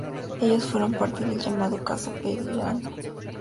Ellos fuero parte del llamado Caso Peirano.